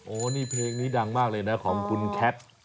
โอ้โหนี่เพลงนี้ดังมากเลยนะของคุณแคท